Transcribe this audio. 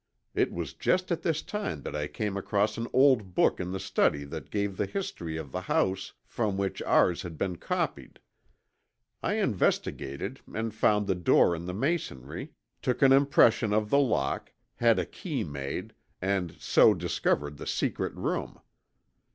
It was just at this time that I came across an old book in the study that gave the history of the house from which ours had been copied. I investigated and found the door in the masonry, took an impression of the lock, had a key made, and so discovered the secret room.